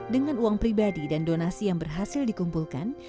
dengan uang pribadi dan donasi yang berhasil dikumpulkan